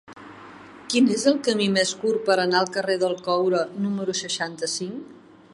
Quin és el camí més curt per anar al carrer del Coure número seixanta-cinc?